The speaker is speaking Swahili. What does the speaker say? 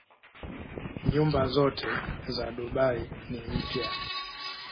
Nyumba zote za Dubai ni mpya.